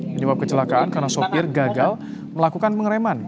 penyebab kecelakaan karena sopir gagal melakukan pengereman